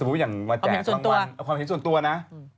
เอาเป็นส่วนตัวนะ